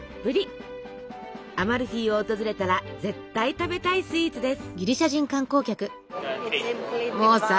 アマルフィを訪れたら絶対食べたいスイーツです。